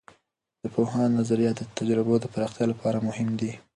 د پوهاند نظریات د تجربو د پراختیا لپاره مهم دي.